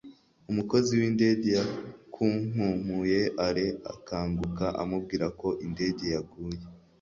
umukozi windege yakunkumuye alain akanguka amubwira ko indege yaguye